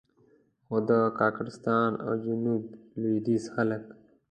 خو د کاکړستان او جنوب لوېدیځ خلک.